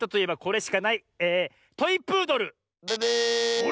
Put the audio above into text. あれ？